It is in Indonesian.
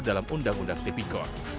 dan undang undang tpkor